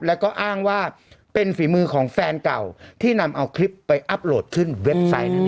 แล้วก็อ้างว่าเป็นฝีมือของแฟนเก่าที่นำเอาคลิปไปอัพโหลดขึ้นเว็บไซต์นั้น